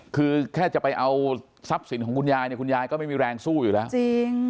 คือแค่จะไปเอาทรัพย์สินของคุณยายเนี่ยคุณยายก็ไม่มีแรงสู้อยู่แล้วจริง